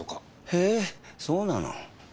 へぇそうなの。